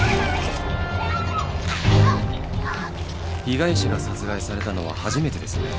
被害者が殺害されたのは初めてですね。